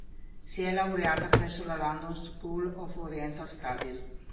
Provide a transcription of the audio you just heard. Si è laureata presso la London School of Oriental Studies.